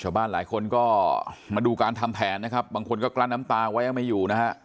หลายคนก็มาดูการทำแผนนะครับบางคนก็กลั้นน้ำตาไว้ยังไม่อยู่นะฮะ